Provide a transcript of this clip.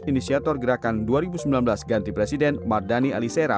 inisiator gerakan dua ribu sembilan belas ganti presiden mardani alisera